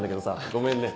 ごめんね。